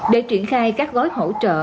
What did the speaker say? để triển khai các gói hỗ trợ